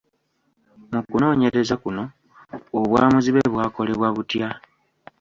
Mu kunoonyereza kuno, obwamuzibe bwakolebwa butya?